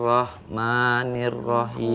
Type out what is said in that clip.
saya mau mencoba